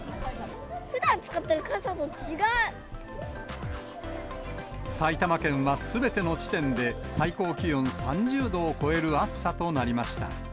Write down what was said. ふだん使ってる埼玉県は、すべての地点で最高気温３０度を超える暑さとなりました。